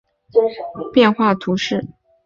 巴斯人口变化图示